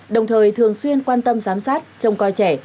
đồng thời thường xuyên quan tâm giám sát trông coi trẻ